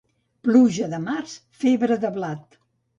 Pluja de març, febre de blat.